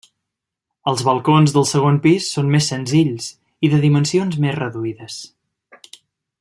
Els balcons del segon pis són més senzills i de dimensions més reduïdes.